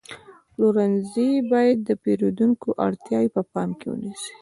پلورنځی باید د پیرودونکو اړتیاوې په پام کې ونیسي.